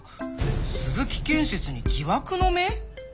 鈴木建設に疑惑の目」？